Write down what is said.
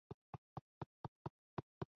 دا نوعه بکټریاوې هوازی باکتریاوې یادیږي.